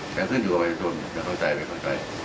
การขึ้นอยู่ออกไปจนจะเข้าใจไปเข้าใจ